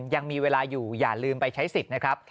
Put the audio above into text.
ยังมีเวลาอยู่อย่าลืมไปใช้สิทธิ์นะครับ